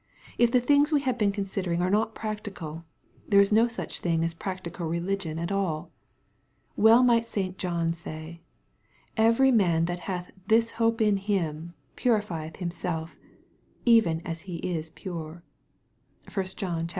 If the things we have been considering are not practical, there is no such thing as practical religion at all. Well might St. John say, " Every man that hath this hope in him purifieth himself; even as he is pure/' (1 John iii.